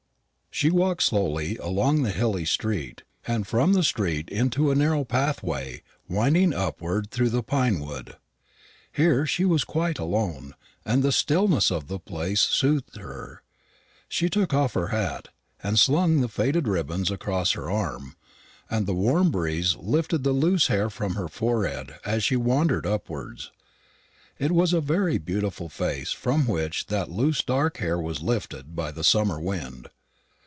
She walked slowly along the hilly street, and from the street into a narrow pathway winding upward through the pine wood. Here she was quite alone, and the stillness of the place soothed her. She took off her hat, and slung the faded ribbons across her arm; and the warm breeze lifted the loose hair from her forehead as she wandered upwards. It was a very beautiful face from which that loose dark hair was lifted by the summer wind.